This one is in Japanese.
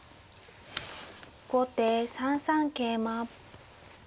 後手３三桂馬。